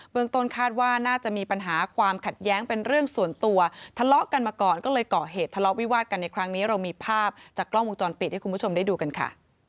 เมืองต้นคาดว่าน่าจะมีปัญหาความขัดแย้งเป็นเรื่องส่วนตัวทะเลาะกันมาก่อนก็เลยก่อเหตุทะเลาะวิวาดกันในครั้งนี้เรามีภาพจากกล้องวงจรปิดให้คุณผู้ชมได้ดูกันค่ะ